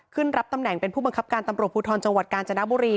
รับตำแหน่งเป็นผู้บังคับการตำรวจภูทรจังหวัดกาญจนบุรี